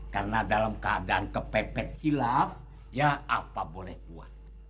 karena dalam keadaan kepepet kilap ya apa boleh buat